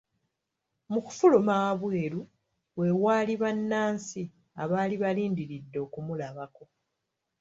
Mu kufuluma wabweru we waali bannansi abaali balindiridde okumulabako.